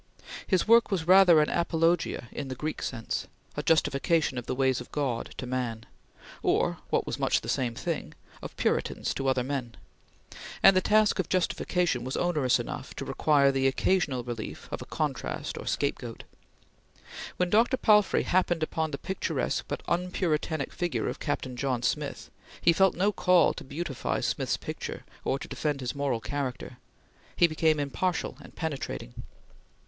His work was rather an Apologia in the Greek sense; a justification of the ways of God to Man, or, what was much the same thing, of Puritans to other men; and the task of justification was onerous enough to require the occasional relief of a contrast or scapegoat. When Dr. Palfrey happened on the picturesque but unpuritanic figure of Captain John Smith, he felt no call to beautify Smith's picture or to defend his moral character; he became impartial and penetrating.